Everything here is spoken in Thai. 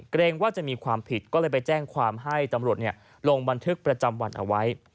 เกรงว่าจะมีความผิดก็เลยไปแจ้งความให้ตำรวจลงบันทึกประจำวันเอาไว้